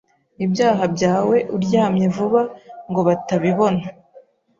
ibyaha byawe uryamye vuba ngobatabibona